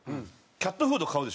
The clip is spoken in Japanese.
キャットフード買うでしょ？